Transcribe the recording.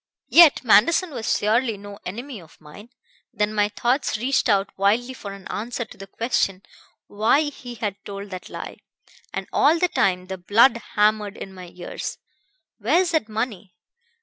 Yet Manderson was surely no enemy of mine. Then my thoughts reached out wildly for an answer to the question why he had told that lie. And all the time the blood hammered in my ears: 'Where is that money?'